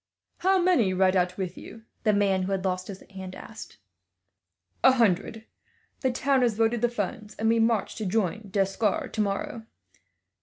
"How many ride out with you?" the man who had lost his hand asked. "A hundred. The town has voted the funds, and we march to join D'Escars tomorrow.